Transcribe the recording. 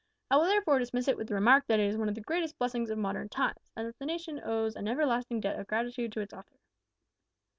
I will therefore dismiss it with the remark that it is one of the greatest blessings of modern times, and that the nation owes an everlasting debt of gratitude to its author.